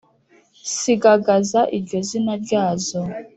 sigagaza iryo zina ryazo